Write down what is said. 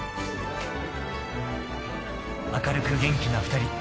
［明るく元気な２人］